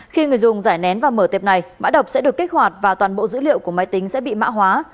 khi người dùng giải nén và mở tẹp này mã đọc sẽ được kích hoạt và toàn bộ dữ liệu của máy tính sẽ bị mã hóa